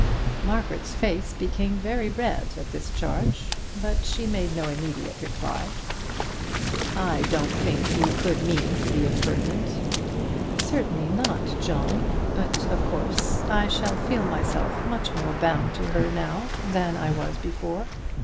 Margaret's face became very red at this charge, but she made no immediate reply. "I don't think you could mean to be impertinent." "Certainly not, John; but, of course, I shall feel myself much more bound to her now than I was before."